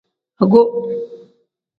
Ago.